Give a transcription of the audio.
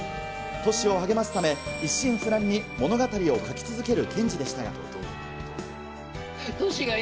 トシを励ますため、一心不乱に物語を書き続ける賢治でしたが。